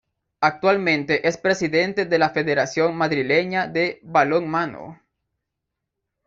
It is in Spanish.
Actualmente es Presidente de la Federación Madrileña de Balonmano.